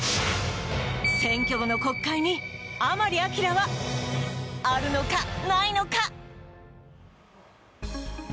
選挙後の国会に甘利明は、あるのか、ないのか！？